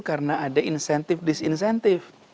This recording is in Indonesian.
karena ada insentif disinsentif